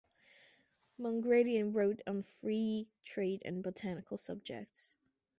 Mongredien wrote on free trade and botanical subjects.